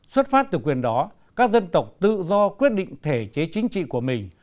xuất phát từ quyền đó các dân tộc tự do quyết định thể chế chính trị của mình